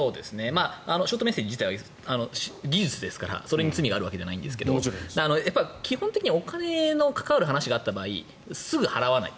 ショートメッセージ自体は技術ですからそれに罪があるわけじゃないんですが基本的にはお金に関わる話があった場合すぐ払わない。